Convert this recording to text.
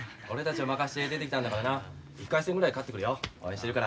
俺たちを負かして出てきたんだからな１回戦ぐらい勝ってくれよ。